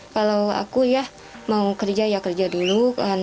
kalau aku ya mau kerja ya kerja dulu